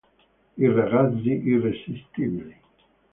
I ragazzi irresistibili